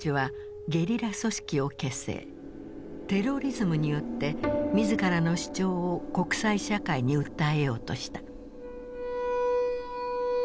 テロリズムによって自らの主張を国際社会に訴えようとした。